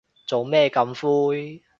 做咩咁灰